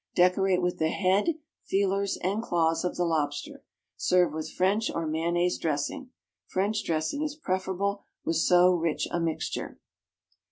Decorate with the head, feelers and claws of the lobster. Serve with French or mayonnaise dressing. French dressing is preferable with so rich a mixture.